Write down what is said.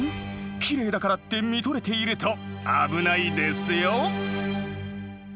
きれいだからって見とれていると危ないですよ。